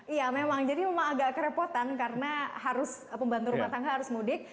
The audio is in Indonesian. iya memang jadi memang agak kerepotan karena harus pembantu rumah tangga harus mudik